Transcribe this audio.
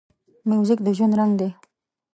موزیک د ژوند رنګ دی.